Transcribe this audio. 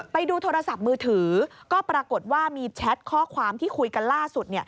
ไปดูโทรศัพท์มือถือก็ปรากฏว่ามีแชทข้อความที่คุยกันล่าสุด